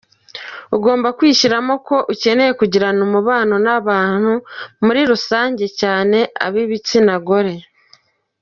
Ugomba kwishyiramo ko ukeneye kugirana umubano n’ abantu muri rusange, cyane ab’ igitsina gore.